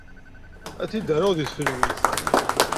Ad t-id-aruɣ deg tfelwit.